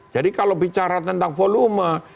jadi kalau bicara tentang volume